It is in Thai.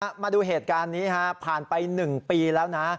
มาดูเหตุการณ์นี้ฮะผ่านไป๑ปีแล้วนะ